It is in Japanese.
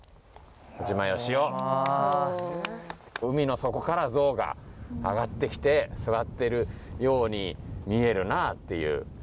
海の底から象が上がってきて座ってるように見えるなっていう。